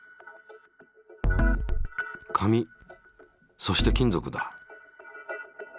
紙そして金属だ。